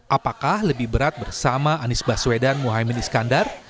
apakah lebih berat bersama anies baswedan mohaimin iskandar